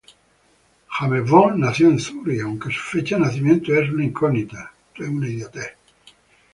James Bond nace en Zúrich, aunque su fecha de nacimiento es una incógnita.